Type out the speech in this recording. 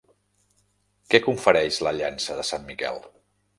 Què confereix la llança de Sant Miquel?